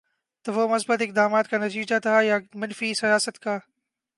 تو وہ مثبت اقدامات کا نتیجہ تھا یا منفی سیاست کا؟